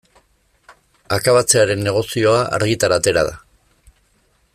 Akabatzearen negozioa argitara atera da.